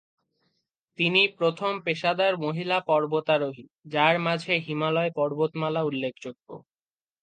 তিনি প্রথম পেশাদার মহিলা পর্বতারোহী; যার মাঝে হিমালয় পর্বতমালা উল্লেখযোগ্য।